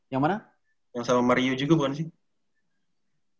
yang mana yang sama maria juga kan sih